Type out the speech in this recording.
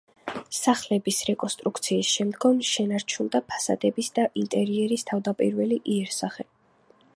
სახლების რეკონსტრუქციის შემდგომ შენარჩუნდა ფასადების და ინტერიერის თავდაპირველი იერსახე.